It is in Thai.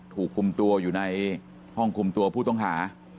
ถูกคุมตัวอยู่ในห้องคุมตัวผู้ต้องหา